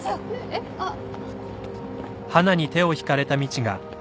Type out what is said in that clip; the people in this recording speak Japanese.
えっ？あっ。